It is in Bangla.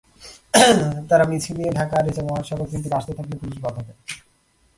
তাঁরা মিছিল নিয়ে ঢাকা-আরিচা মহাসড়কের দিকে আসতে থাকলে পুলিশ বাধা দেয়।